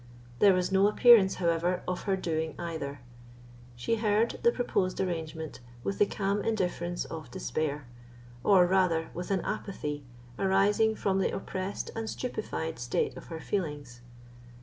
There was no appearance, however, of her doing either. She heard the proposed arrangement with the calm indifference of despair, or rather with an apathy arising from the oppressed and stupefied state of her feelings.